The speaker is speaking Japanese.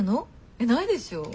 えっないでしょ？